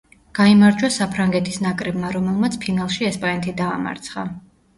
გაიმარჯვა საფრანგეთის ნაკრებმა, რომელმაც ფინალში ესპანეთი დაამარცხა.